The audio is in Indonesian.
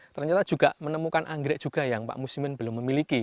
ternyata juga menemukan anggrek juga yang pak muslimin belum memiliki